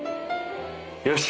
よし！